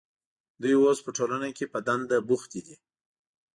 دوی اوس په ټولنه کې په دنده بوختې دي.